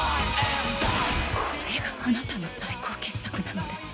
これがあなたの最高傑作なのですか？